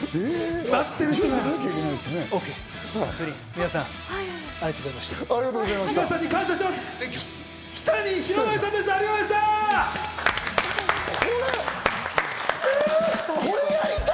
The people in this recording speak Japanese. ＯＫ、皆さんありがとうございました！